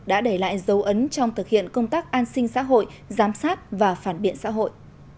đã để lại dấu ấn trong thực hiện công tác an sinh xã hội giám sát và phản biện xã hội